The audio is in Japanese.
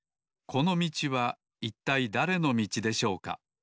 このみちはいったいだれのみちでしょうか？